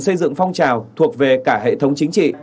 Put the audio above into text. xây dựng phong trào thuộc về cả hệ thống chính trị